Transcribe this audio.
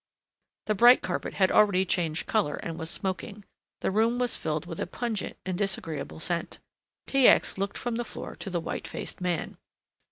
The bright carpet had already changed colour, and was smoking. The room was filled with a pungent and disagreeable scent. T. X. looked from the floor to the white faced man.